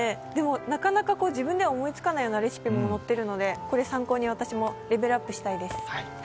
なかなか自分では思いつかないようなレシピも載ってるのでこれ参考に私もレベルアップしたいです。